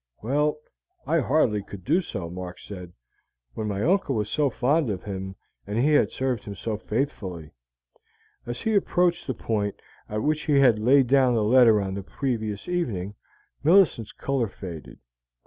"Well, I hardly could do so," Mark said, "when my uncle was so fond of him, and he had served him so faithfully." As he approached the point at which he had laid down the letter on the previous evening, Millicent's color faded.